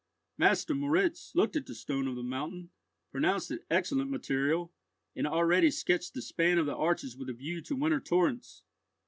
Master Moritz looked at the stone of the mountain, pronounced it excellent material, and already sketched the span of the arches with a view to winter torrents.